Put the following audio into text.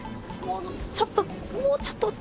ちょっともうちょっと。